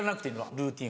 ルーティン。